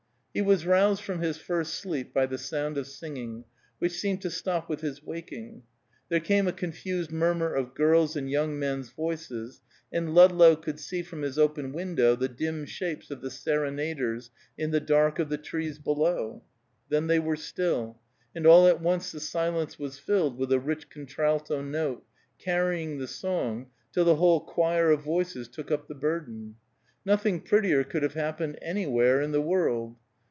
He was roused from his first sleep by the sound of singing, which seemed to stop with his waking. There came a confused murmur of girls' and young men's voices, and Ludlow could see from his open window the dim shapes of the serenaders in the dark of the trees below. Then they were still, and all at once the silence was filled with a rich contralto note, carrying the song, till the whole choir of voices took up the burden. Nothing prettier could have happened anywhere in the world.